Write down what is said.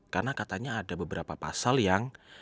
karena katanya ada beberapa pasal yang